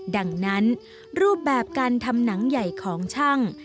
ดังนั้นรูปแบบการทำหนังใหญ่ของช่าง